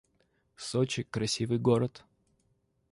Сочи — красивый город